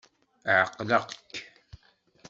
Ɛeqleɣ-k.